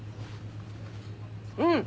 うん。